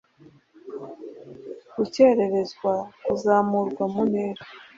Gukererezwa kuzamurwa mu ntera